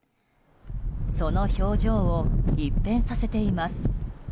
その表情を一変させています。